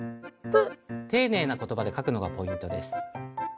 ていねいな言葉で書くのがポイントです。